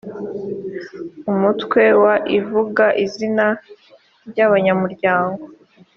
umutwe wa i uvuga izina ry’abanyamuryango